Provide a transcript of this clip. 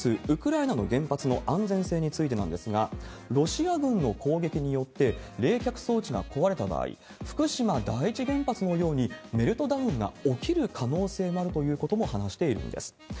ウクライナの原発の安全性についてなんですが、ロシア軍の攻撃によって冷却装置が壊れた場合、福島第一原発のようにメルトダウンが起きる可能性もあるということも話しているんです。